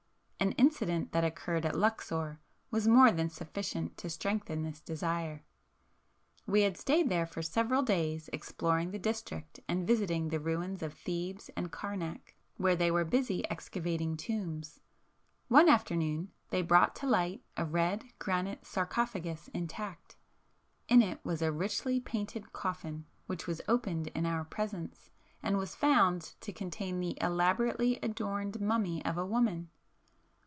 An incident that occurred at Luxor was more than sufficient to strengthen this desire. We had stayed there for several days exploring the district and visiting the ruins of Thebes and Karnac, where they were busy excavating tombs. One afternoon they brought to light a red granite sarcophagus intact,—in it was a richly painted coffin which was opened in our presence, and was found to contain the elaborately adorned mummy of a woman.